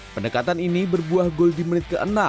pendekatan ini berbuah gol di menit ke enam